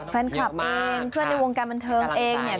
แฟนคลับเองเพื่อนในวงการบันเทิงเองเนี่ย